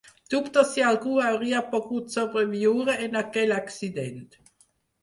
Dubto si algú hauria pogut sobreviure en aquell accident.